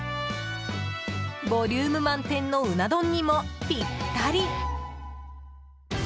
ボリューム満点のうな丼にもぴったり。